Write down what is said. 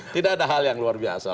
tidak ada hal yang luar biasa